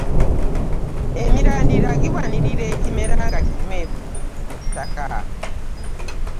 Emirandira giwanirira ekimera nga kinywevu mu ttaka.